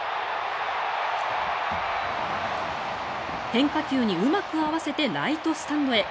変化球にうまく合わせてライトスタンドへ。